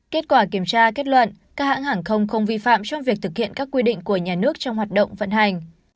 kết quả kiểm tra kết luận các hãng hàng không không vi phạm trong việc thực hiện các quy định của nhà nước trong hoạt động vận hành